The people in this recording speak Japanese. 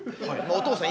お父さん！